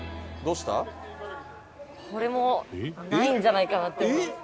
これもないんじゃないかなって思います。